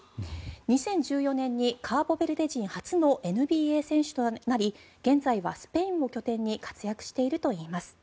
２０１４年にカボベルデ人初のＮＢＡ選手となり現在はスペインを拠点に活躍しているといいます。